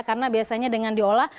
karena biasanya dengan diolah